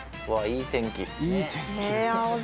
いい天気。